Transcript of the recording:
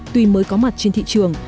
tuy mới có mặt trên thị trường